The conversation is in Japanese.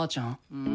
うん？